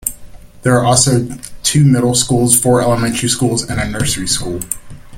There are also two middle schools, four elementary schools, and a nursery school.